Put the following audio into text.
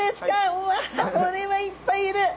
うわこれはいっぱいいる。